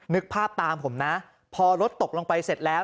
นึกภาพตามผมนะพอรถตกลงไปเสร็จแล้ว